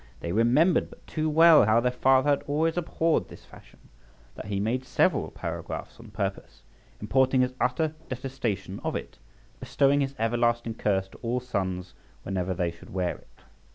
They remembered but too well how their father had always abhorred this fashion; that he made several paragraphs on purpose, importing his utter detestation of it, and bestowing his everlasting curse to his sons whenever they should wear it.